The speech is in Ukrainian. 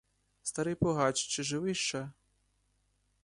Старий пугач чи живий ше?